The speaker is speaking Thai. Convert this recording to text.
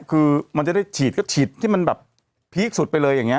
คือมันจะได้ฉีดก็ฉีดที่มันแบบพีคสุดไปเลยอย่างนี้